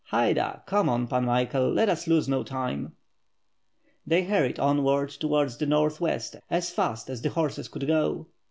Haida! Come on Pan Michael, let us lose no time/' They hurried onward towards the northwest as fast as the horses could go.